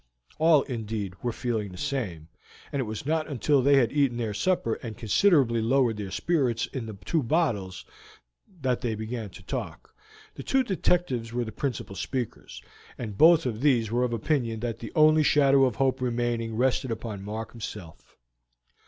All, indeed, were feeling the same, and it was not until they had eaten their supper and considerably lowered the spirits in the two bottles that they began to talk. The two detectives were the principal speakers, and both of these were of opinion that the only shadow of hope remaining rested upon Mark himself.